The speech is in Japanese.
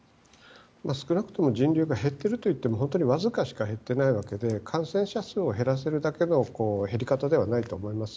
少なくとも人流が減っているといっても本当にわずかしか減ってないわけで感染者数を減らせるだけの減り方ではないと思います。